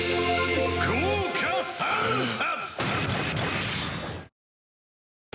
「豪華三冊！」